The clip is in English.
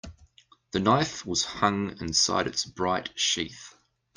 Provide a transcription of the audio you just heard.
The knife was hung inside its bright sheath.